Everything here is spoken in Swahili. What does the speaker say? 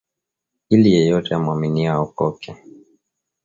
Ili yeyote amwaminio aokoke.